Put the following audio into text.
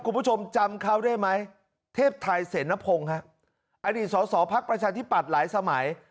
คุณผู้ชมจำเขาได้ไหมเทพไทยเสนพงศ์ฮะอดีตสอสอพักประชาธิปัตย์หลายสมัย